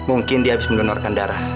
mungkin dia habis mendonorkan darah